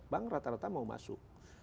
bank rata rata mau masuk